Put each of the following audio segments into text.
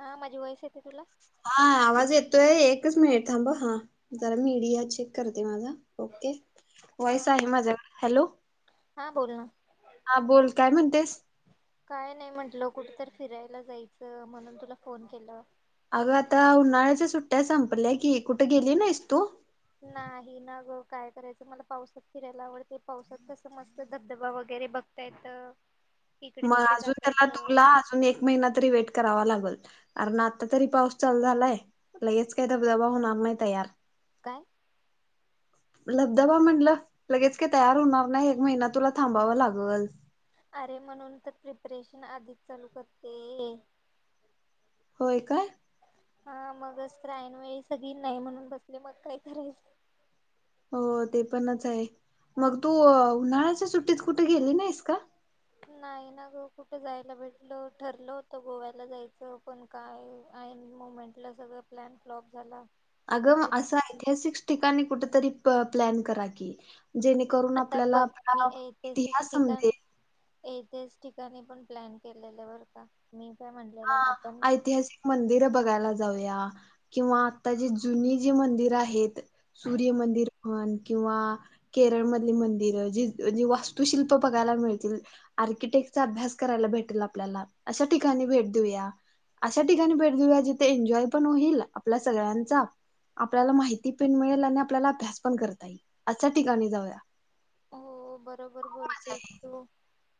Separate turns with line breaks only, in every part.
हा माजी वयस
हा आवाज येतोय एकच मिनिट थांब हा जरा मीडिया चेक करते माझा ओके
हा
वॉयस आहे माझा हॅलो
हा बोल
हा बोल काय म्हणतेस
काय नाही म्हटलं कुठ फिरायला जायचं म्हणून तुला फोन केल
अगं आता उन्हाळ्याच्या सुट्या संपल्या की कुठे गेली नाहीस तू
नाही ना ग काय करायचं मला पावसात फिरायला आवडते पावसात कस मस्त धबधबा वगैर वगैरे बघताय येत
मग अजून त्याला तुला अजून एक महिना तरी वेट करावा लागल अर ना आता तरी पाऊस चालू झालाय लगेच काही धबधबा होणार नाही तयार
काय
लब्धबा म्हटलं लगेच काही तयार होणार नाही एक महिना तुला थांबाव लागल
अरे म्हणून तर प्रिपरेशन आधीच चालू करते
होय काय
हा मगच तर ऐनवेळी सगळी नाही म्हणून बसले मग काय करायचं
हो ते पणच आहे मग तू अं उन्हाळ्याच्या सुट्टीत कुठ गेली नाहीस का?
नाय नाय ना ग कुठ जायला भेटल, ठरलं होत गोव्याला जायचं पण काय ऐन मुमे म्हटलं सगळं प्लॅन फ्लॉप झाला.
अग
आता
आसं ऐतिहासिक ठिकाणी कुठं तरी प्लॅन करा की, जेणेकरून आपल्याला
बघ
आपला इतिहास समजे
येथेच ठिकाणी पण प्लॅन केलेले बरं का? मी काय म्हणलेलं
हा
आपण
ऐतिहासिक मंदिर बघायला जावूया किंवा आता जी जुनी जी मंदिर आहेत सूर्यमंदिर म्हण किंवा केरळमधली मंदिरं जी जी वास्तुशिल्प बघायला मिळतील. आर्किटेक्टचा अभ्यास करायला भेटलं आपल्याला अशा ठिकाणी भेट दिऊया अशा ठिकाणी भेट दिऊया जिथ एन्जॉय पण होईल आपल्या सगळ्यांचा आपल्याला माहिती पिण मिळेल आणि आपल्याला अभ्यास पण करता येईल अशा ठिकाणी जाऊया
हो बरोबर बोलतेस तू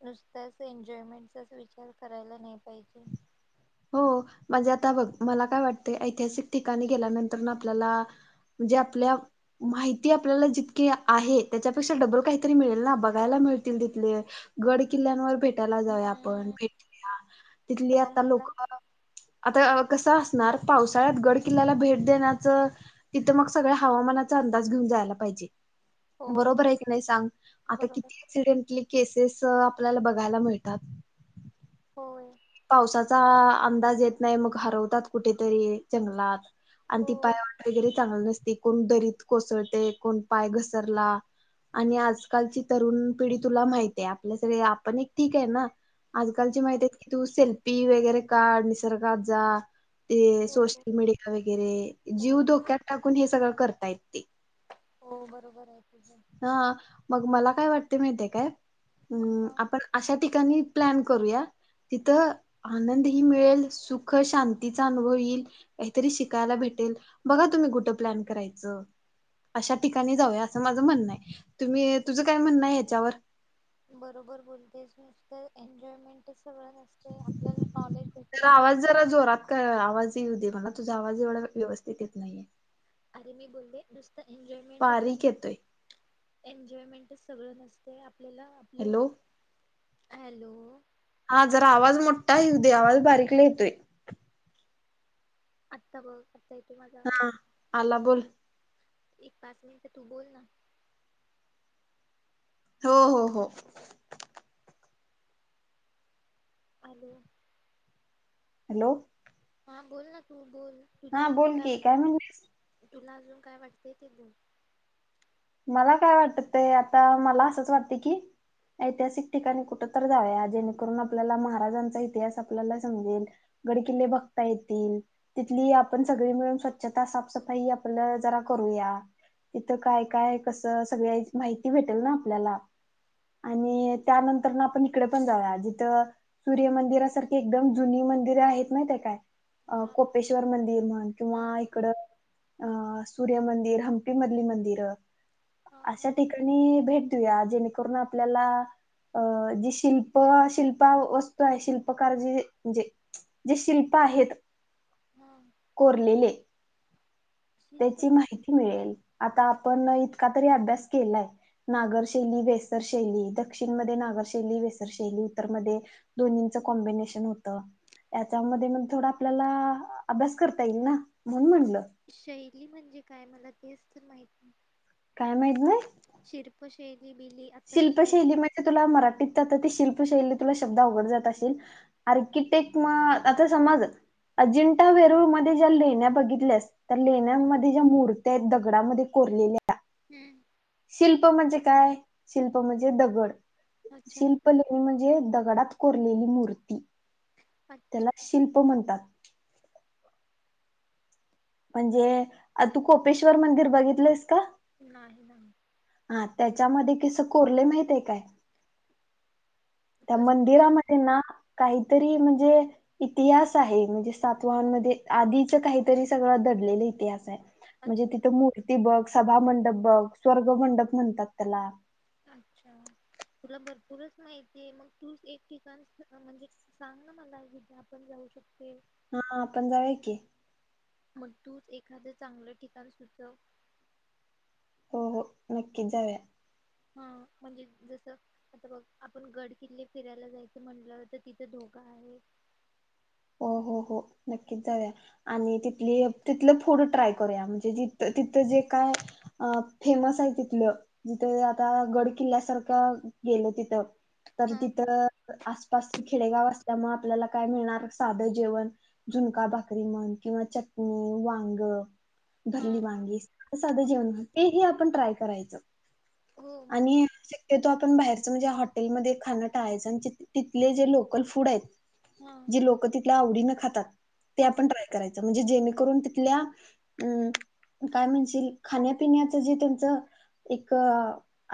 नुसताच एन्जॉयमेंटचाच विचार करायला नाही पाहिजे
हो म्हणजे आता बघ मला काय वाटतय ऐतिहासिक ठिकाणी गेल्यानंतरन आपल्याला म्हणजे आपल्या माहिती आपल्याला जितकीे आहे त्याच्यापेक्षा डबल काहीतरी मिळेल ना बघायला मिळतील तिथले गड किल्ल्यांवर भेट चला जाऊया आपण
हम्म
भेटूया
तर
तिथली
मग
आता
मला
लोक आता कस असणार पावसाळ्यात गड किल्ल्याला भेट देण्याचं तिथं मग सगळ हा हवामानाचा अंदाज घिऊन जायला पाहिजे.
हो
बरोबर हाय कीने सांग, आता
बरोबर
किती ऍक्सिडेंटली केस आपल्याला बघायला मिळतात.
होय
पावसाचा आ अंदाज येत नाही मग हरवतात कुठेतरी जंगलात आणि
हो
ती पाय वाट वगैरे चांगली नस ती कोण दरीत कोसळतय कोण पाय घसरला आणि आजकालची तरुण पिढी तुला माहित्याय आपल्या सगळे आपण एक ठीक आहे ना. आजकालची
हो
माहितेत सेल्फी वगैरे काढ निसर्गात जा ते
हो
सोशल मेडिकल वगैरे
हो
जीव धोक्यात टाकून हे सगळं करतायत ते
हो बरोबर हाय.
हा मग मला काय वाटतय माहित्याय काय अम
हा
आपण अशा ठिकाणी प्लॅन करूया तिथं आनंदही मिळेल सुख शांतीचा अनुभव यिल काहीतरी शिकायला भेट टेल, बघा तुम्ही कुट प्लॅन करायचं, आशा ठिकाणी जाऊया आस माज ज म्हणं हाय तुमी तुझं काय म्हणं हाय हेच्यावर
बरोबर बोलतेस नुसतं एन्जॉयमेंटच सगळं नसते आपल्याला नॉलेज भेटेल
तुझा
असे
आवाज जरा जोरात कर आवाज मला तुझा आवाज एवढा व्यवस्थित येत नाहीय
आणि मी बोलले नुसतं एन्जॉयमेंटच
बारीक
सगळं
येतोय
एन्जॉयमेंटच सगळं नसतय आपल्याला आपले
हॅलो
हॅलो
हा जरा आवाज मोठा येऊ दे आवाज बारीक लय येतोय
आता बघ येतो माझा आवाज
हा आला बोल
एक पाच मिनिट तू बोल ना
हो हो हो
[unintelligible]
हॅलो
हा बोल ना तू बोल तुला
हा
अजून
बोल की
वाट
काय म्हणलीस
तुला अजून काय वाटतय ते त
मला काय वाटतय आता मला असंच वाटत की ऐतिहासिक ठिकाणी कुठ तर जावया जेणेकरून आपल्याला महाराजांचा इतिहास आपल्याला समजेल गड किल्ले बघता येतील तिथली आपण सगळी मिळून स्वच्छता साफसफाई आपल जरा कर तिथ काय काय कस सगळ्याची माहिती भेटेल ना आपल्याला आणि त्यानंतर आपण इकडे पण जाऊया जिथं सूर्यमंदिरासारखी एकदम जुनी मंदिर आहेत नाही ते काय
हा
कोपेश्वर मंदिर म्हण
हा
किंवा इकड अ सूर्यमंदिर हंपीमधली मंदिर
हा हा
अशा ठिकाणी भेट देऊया जेणेकरून आपल्याला अ जी शिल्प शिल्पा वस्तू आहे शिल्प आहेत
हा
कोरलेले
शिल्प
त्याची माहिती मिळेल आता आपण इतका तरी अभ्यास केलाय नागरशैली वेसर शैली दक्षिणमध्ये नागर शै वेसर शैली इतर म दोन्ही च कॉम्बिनेशन होत याच्यामध्ये मग थोडा आपल्याला अभ्यास करता येईल ना म्हणून म्हणल
शैली म्हणजे काय मला तेच तर माहित नाही
काय माहित नाही
शिल्प शैली बिली आता तू काय
शिल्पशैली म्हणजे तुला मराठीत आ ती शिल्पशैली तुला शब्द उघड जात असेल आर्किटेक्ट म आता समज अजिंठा वेरूळमध्ये ज्या लेण्या बघितल्यास त्या लेण्यामध्ये ज्या मूर्त्या आहेत दगडामध्ये उरलेल्या
हम्म
शिल्प म्हणजे काय शिल्प म्हणजे दगड
अच्छा
शिल्प लेणी म्हणजे दग गडात कोरलेली मूर्ती त्याला शिल्प म्हणतात म्हणजे आ तू कोपेश्वर मंदिर बघितलंस का
नाही, नाही ना
हा त्याच्यामध्ये कस कोरले माहित आहे काय त्या
कस कर.
मंदिरामध्ये ना काही तरी म्हणजे इतिहास आहे म्हणजे सातवांमध्ये आधीच काहीतरी सगळं दडलय इतिहास हाय म्हणजे तिथ मूर्ती बग सभामंडप बघ स्वर्ग मंडप म्हणतात त्याला
अच्छा तुला भरपूरच माहितीय मग तूच एक ठिकाण म्हणजे सांगण मला जिथे आपण जाऊ [inaudible]
हा आपण जावया की
मग तूच एखादं चांगलं ठिकाण सुचव
हो, हो नक्कीच जाऊया
हा म्हणजे जस आता बघ आपण गड किल्ले फिरायला जायचं म्हटलं तर तिथं धोका का आहे
हो हो हो नक्कीच जाऊया आणि तिथली तिथल फूड ट्राय करूया म्हणजे तथ जे काय फेमस आहे तिथलं जिथे आता गड किल्ल्यासारखं गेलं तिथं तर
हा
तिथं आसपास खेडेगाव असल्यामुळे आपल्याला काय मिळणारच साधं जेवण झुणका भाकरी म्हण किंवा चटणी वांग
हा
भरली वांगी साधं जेवण तेही आपण ट्राय करायचं
हो मग
आणि शक्य तो आपण बाहेरचं म्हणजे हॉटेलमध्ये खाणं टाळायचं आणि ती तिथले जे लोकल फूड आहेत
हा अ
जी लोक तिथल्या आवडीनं खातात ते आपण ट्राय करायचं म्हणजे जेणे करून तिथल्या अ काय म्हणशील खाण्यापिण्याच जे त्यांच एक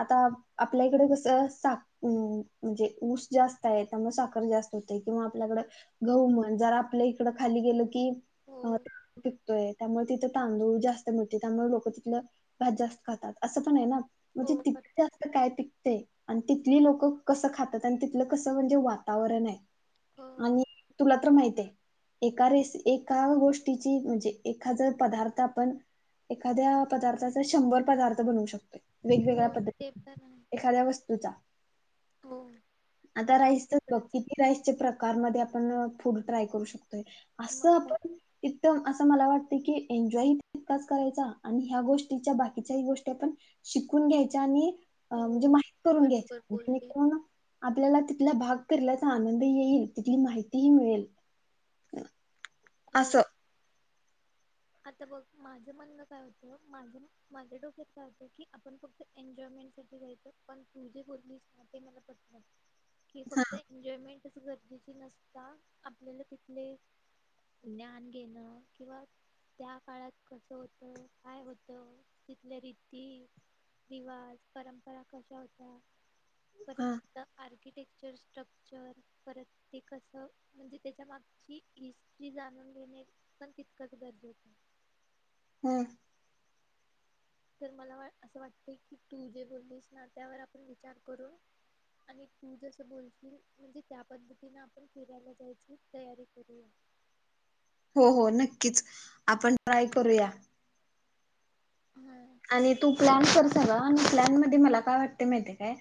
आता आपल्या इकडे कस सा म्हणजे, ऊस जास्त आहे. त्यामुळे साखर जास्त होते किंवा आपल्याकड गहू म्हण जरा आपल्या इकडं खाली गेलं की
हो
पीकतोय. त्यामुळे तिथं तांदूळ जास्त मिळते त्यामुळे लोकं तिथलं भात जास्त खातात असं पण आहे ना! म्हणजे
हो पर-
तिकते अस काय पिकतंय. आणि तिथली लोक कसं खातात आणि तिथलं कसं म्हणजे वातावरण आहे.
हो
आणि ला तर माहितेय. एका रेस एका गोष्टीची म्हणजे, एखाद पदार्थ आपण एखाद्या पदार्थाचा शंभर पदार्थ बनवू शकतोय.
हो
वेगवेगळ्या
ते
पद्धती
पण आहे ते पण
एखाद्या वस्तूचा.
हो
आता राईसचच बघ किती राईसचे प्रकार मधे आपण अ फूड ट्राय करू शकतो.
मग
असं
काय-
आपण [unintelligible] मला वाटतय की एन्जॉय इतकाच करायचा आणि ह्या गोष्टीच्या बाकीच्या गोष्टी ही आपण शिकून घ्यायच्या आणि अ म्हणजे
हो
माहीत करून
बरोबर बोलली
घ्यायचं तिथला भाग करल्याचा आनंद येईल तिथली माहितीही मिळेल.
हो
असं
आता बघ माझ म्हणणं काय होतं, माझ माझ्या डोक्यात काय होतं की, आपण फक्त एनजॉयमें मेंट साठी जायचं पण तु जे बोललीस ना ते मला पटलं की फक्त एन्जॉयमेंट तस गरजेची नसता आपल्याला तिथले ज्ञान घेणं किंवा त्या काळात कस होत, काय होत तिथल्या रीती, रिवाज, परंपरा, कशा होत्या परत
हा
तिथे आर्थि आर्किटेक्चर स्ट्रक्चर परत ते कस म्हणजे, त्याच्या मागची हिस्ट्री जानू न घेणे पण तितकंच गरजेचं
हम.
तर मला वा असं वाटतंय की तू जे बोललीस ना! त्यावर आपण विचार करून आणि तू जस बोलशील म्हणजे त्या पद्धतीने आपण फिरायला जायची तयारी करूया.
हो हो नक्कीच आपण ट्राय करूया.
हम्
आणि तू प्लॅन कर सगळा आणि प्लॅन मध्ये मला काय वाटतंय माहितय काय,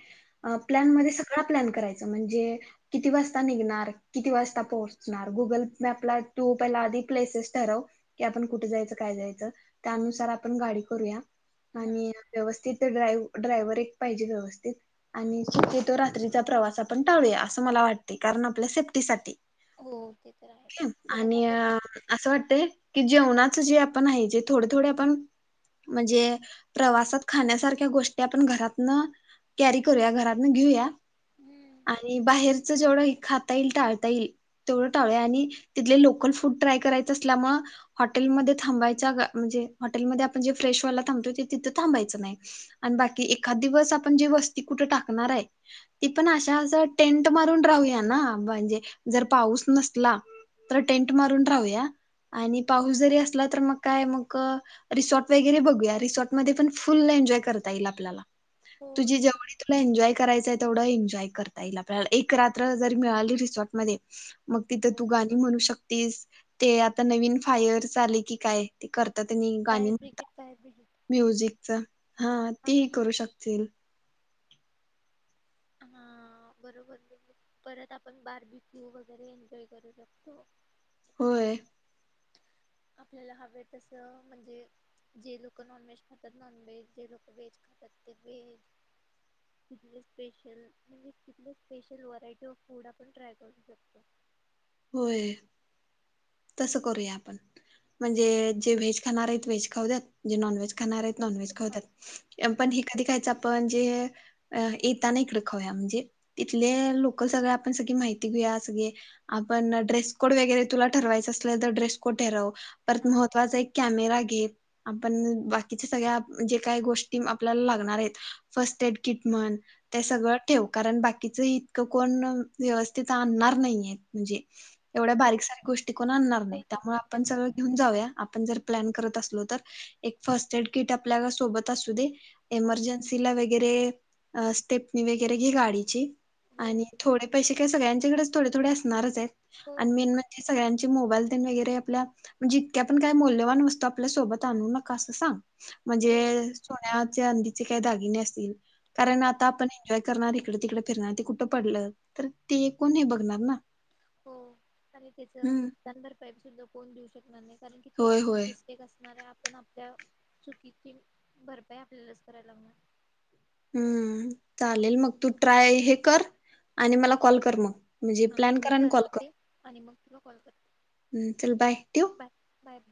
अ प्लॅनमध्ये सगळा प्लॅन कराय च म्हणजे किती वाजता निघणार, किती वाजता पोचणार, गुगल मॅप ला तू पाहिला आधी प्लेसेस ठरव की आपण कुठे जायचं, काय जायचं त्यानुसार आपण गाडी करूया.
हा
आणि व्यवस्थित ते ड्राय ड्रायवर एक पायजे व्यवस्थित आणि शक्यतो रात्रीचा प्रवास आपण टाळूया. असं मला वाटते कारण आपल्या सेफ्टीसाठी.
हो ते तर आहे परत
आणि
आपण
अ असं वाटतंय की जेवणात जे आपण आहे जे थोडे, थोडे आपण म्हणजे प्रवासात खाण्यासारख्या गोष्टी आपण घरातन कॅरी करूया, घरात न घेऊया
हम्म
आणि बाहेर जेवढं हे खाता येईल, टाळता येईल, तेवढं टाळूया आणि तिथले लोकल फूड ट्राय करायचं असल्यामुळे हॉटेलमध्ये थांबायच्या हॉटेल मध्ये आपण जे फ्रेशव्याला थांबतोय ते तिथं थांबायचं नाही, आणि बाकी एखाद दिवस आपण जी वस्ती कुठ टाकणार हाय, ती पण अशा टेंट मारून राहूया ना! म्हणजे जर पाऊस नसला तर टेंट मारून राहूया आणि पाऊस जरी असला तर मग काय मग अ रिसॉट वगैरे बघूया रिसॉर्ट मध्ये पण फुल एन्जॉय करता येईल आपल्याला.
हो
तुझी
रिफंड
जेवढी तुला एन्जॉय करायचं तेवढं एन्जॉय करता येईल आपल्याला एक रात्र जर मिळाली रिसॉर्टमध्ये मग तिथं तू गाणी म्हणू शकतीस ते आता नवीन फायर च आलाय की काय ते कर. आता त्यांनी गाणी
फायर ब्रिगेड
म्हणतात.
फायर ब्रिगेड
[inaudible] म्युझिकचं हा तेही करू शकतील.
हा हा. बरोबर परत आपण बारबी क्यू वगैरे एन्जॉय करू शकतो.
होय.
आपल्याला हव तसं म्हणजे जे लोक नॉनव्हेज खातात नॉनव्हेज जे लोक व्हेज ते व्हेज किल्ले स्पेशल म्हणजे किल्ले स्पेशल व्हरायटी ऑफ फूड आपण ट्राय करू शकतो.
होय. तसं करूया आपण म्हणजे जे व्हेज खाणार आहेत व्हेज खाऊ द्यात जे नॉन व्हेज खाणार आहेत नॉनव्हेज खाऊद्यात पण हे कधी खायचं आपण ते येताना इकड खाऊया म्हणजे तीथले लोकल सगळे आपण सगळी माहिती घेऊया असं म्हणजे आपण ड्रेस कोड वगैरे तुला ठरवायच असल तर ड्रेस कोड ठरव परत
हा
महत्वाचं आहे की कॅमेरा घेत आपण बाकीच्या सगळ्या जे काही गोष्टी आपल्याला लागणार आहेत फस्ट कॅ [unintelligible] म्हण ते
हो
सगळ ठेव. कारण बा कीचं इतकं कोण व्यवस्थित आणणार नाहीयत म्हणजे एवढ्या
हो
बारीक-सारीक गोष्टी ते कोण आणणार
हो
नाहीत त्यामुळे
लक्षात
आपण
ठेवणार
सगळ घेऊन जाऊया आपण जर प्लॅन करत असलो तर एक फर्स्ट एड किट आपल्या सोबत असू दे.
हो
एमर्जन्सीला वगैरे स्टेपनी वगैरे घे गाडीची.
हो
आणि थोडे पैसे काय सगळ्यांच्याकडेच थोडे थोडे असणारच आहेत
हो
आणि मेन म्हणजे सगळ्यांचे मोबाईल तेन वगैरे आपल्या म्हणजे इतक्या आपण काय मौल्यवान वस्तू आपल्या सोबत आणू नका असं सांग. म्हणजे
हो
सोन्या, चांदीचे काही दागिने असतील.
हो
कारण आता आपण एन्जॉय करणार इकडे-तिकडे फिरणार ते कुठं पडलं? तर ते कोण हे बघणार ना.
हो आणि त्याच
हम्म
नुकसान भरपाई सुद्धा कोण देऊ शकणार नाही. कारण कि आप
होय होय
मिस्टेक असणार आहे आप पण आपल्या चुकीची भरपाई आपल्यालाच करायला लागणार.
हम्म चालेल मग तू ट्राय हे कर आणि मला कॉल कर मग. म्हणजे
हा
प्लॅन
मी
कर आणि कॉल कर
ठरवते आणि मग तुला कॉल करते.
हम्म, चल बाय ठेऊ?
Bye bye bye